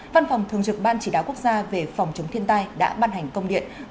văn phòng thường trực ban chỉ đạo quốc gia về phòng chống thiên tai đã ban hành công điện